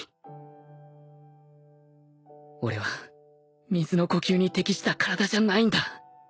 俺は水の呼吸に適した体じゃないんだ